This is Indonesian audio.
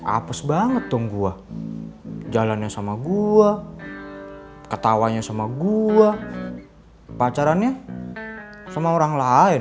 apes banget dong gua jalannya sama gua ketawanya sama gua pacarannya sama orang lain